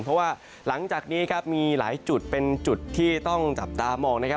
เพราะว่าหลังจากนี้ครับมีหลายจุดเป็นจุดที่ต้องจับตามองนะครับ